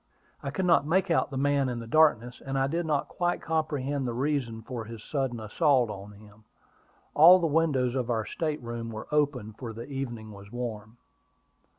I could not make out the man in the darkness; and I did not quite comprehend the reason for his sudden assault on him. All the windows of our state room were open, for the evening was warm.